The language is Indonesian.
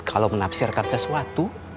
kalau menaksirkan sesuatu